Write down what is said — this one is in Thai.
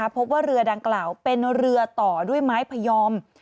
พบว่าเรือดังกล่าวเป็นเรือต่อด้วยไม้พยอม